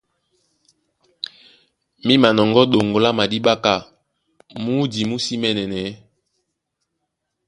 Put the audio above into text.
Mí manɔŋgɔ́ ɗoŋgo lá madíɓá ka mǔdi mú sí mɛɛ̄nɛnɛɛ́.